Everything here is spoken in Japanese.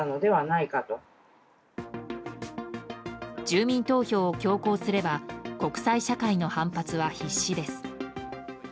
住民投票を強行すれば国際社会の反発は必至です。